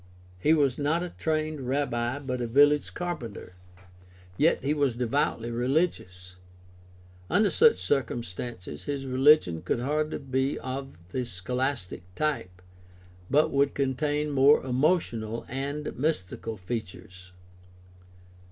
He was not a trained rabbi but a village carpenter, yet he was devoutly religious. Under such cir cumstances his religion could hardly be of the scholastic type, but would contain more emotional and mystical features.